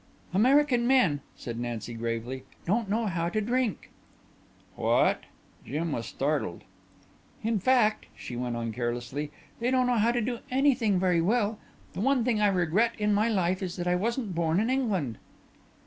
"American men," said Nancy gravely, "don't know how to drink." "What?" Jim was startled. "In fact," she went on carelessly, "they don't know how to do anything very well. The one thing I regret in my life is that I wasn't born in England."